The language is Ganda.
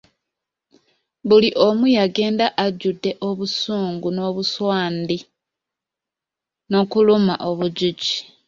Buli omu yagenda ajjudde obusungu, obuswandi n’okuluma obujiji.